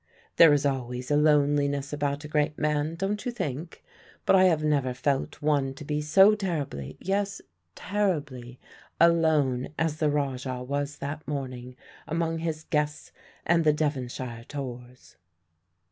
There is always a loneliness about a great man, don't you think? But I have never felt one to be so terribly yes, terribly alone as the Rajah was that morning among his guests and the Devonshire tors.